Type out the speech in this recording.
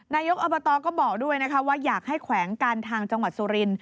นายกอบตก็บอกด้วยนะคะว่าอยากให้แขวงการทางจังหวัดสุรินท